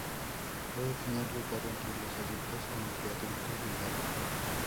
Puede tener lugar entre dos adultos o entre adulto y larva.